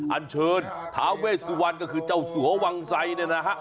อันเชิญท้าเวสวันก็คือเจ้าสัววังไซเนี่ยนะฮะ